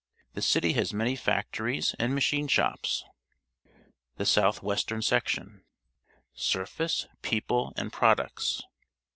The city has many factories and machine shops. THE SOUTH WESTERN SECTION Surface, People, and Products.